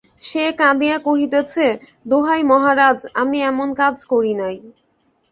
সে কাঁদিয়া কহিতেছে, দোহাই মহারাজ, আমি এমন কাজ করি নাই।